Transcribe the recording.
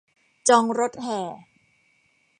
จองรถแห่